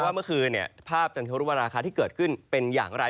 เมื่อคืนภาพจันทรุปราคาที่เกิดขึ้นเป็นอย่างไร